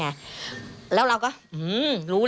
ได้นำเรื่องราวมาแชร์ในโลกโซเชียลจึงเกิดเป็นประเด็นอีกครั้ง